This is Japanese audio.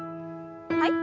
はい。